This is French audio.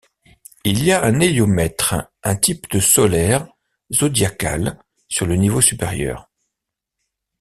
Il y a un héliomètre, un type de solaire zodiacal, sur le niveau supérieur.